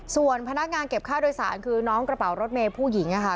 ส่วนพนักงานเก็บค่าโดยสารคือน้องกระเป๋ารถเมย์ผู้หญิงค่ะ